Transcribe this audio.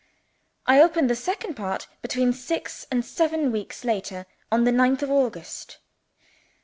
I open the Second Part, between six and seven weeks later, on the ninth of August.